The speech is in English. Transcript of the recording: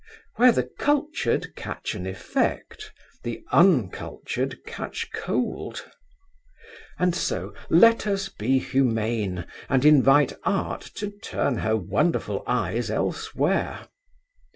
Where the cultured catch an effect, the uncultured catch cold. And so, let us be humane, and invite Art to turn her wonderful eyes elsewhere.